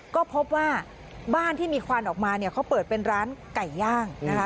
ก็พบว่าบ้านที่มีควันออกมาเนี่ยเขาเปิดเป็นร้านไก่ย่างนะคะ